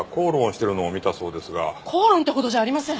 口論ってほどじゃありません。